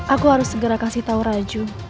aku harus segera kasih tahu raju